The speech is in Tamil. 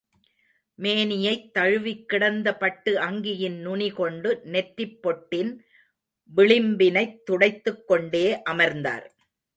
மேனியைத் தழுவிக் கிடந்த பட்டு அங்கியின் நுனி கொண்டு நெற்றிப் பொட்டின் விளிம்பினைத் துடைத்துக்கொண்டே அமர்ந்தார்.